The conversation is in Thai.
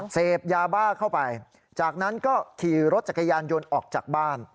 เสพยาบ้าเข้าไปจากนั้นก็ขี่รถจักรยานยนต์ออกจากบ้าน